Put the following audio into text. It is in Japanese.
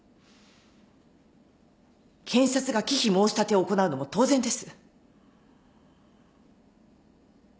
検察が忌避申し立てを行うのも当然です。